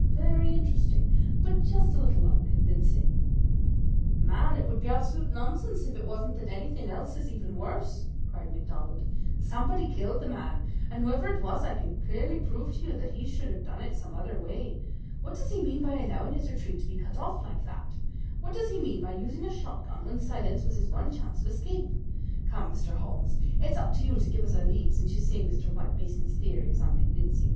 "Very interesting, but just a little unconvincing." "Man, it would be absolute nonsense if it wasn't that anything else is even worse!" cried MacDonald. "Somebody killed the man, and whoever it was I could clearly prove to you that he should have done it some other way. What does he mean by allowing his retreat to be cut off like that? What does he mean by using a shotgun when silence was his one chance of escape? Come, Mr. Holmes, it's up to you to give us a lead, since you say Mr. White Mason's theory is unconvincing."